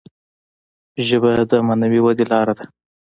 ژبه د معنوي ودي لاره ده.